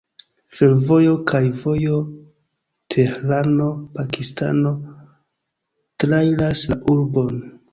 Fervojo kaj vojo Tehrano-Pakistano trairas la urbon.